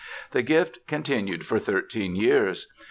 The gift continued for thirteen years.